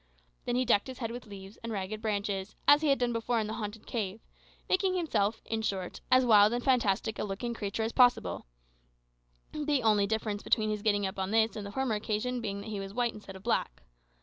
Then he decked his head with leaves and ragged branches, as he had done before in the haunted cave, making himself, in short, as wild and fantastic a looking creature as possible the only difference between his getting up on this and the former occasion being that he was white instead of black.